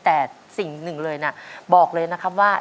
แต่สิ่งหนึ่งเลยนะบอกเลยนะครับว่า